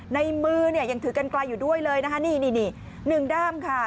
ในมือเนี่ยยังถือกันไกลอยู่ด้วยเลยนะคะนี่นี่หนึ่งด้ามค่ะ